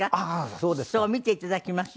そう見ていただきます。